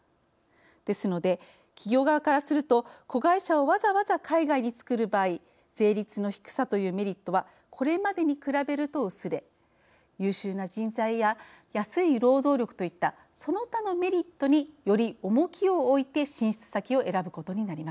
ですので企業側からすると子会社をわざわざ海外に作る場合税率の低さというメリットはこれまでに比べると薄れ優秀な人材や安い労働力といったその他のメリットにより重きを置いて進出先を選ぶことになります。